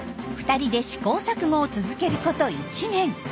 ２人で試行錯誤を続けること１年。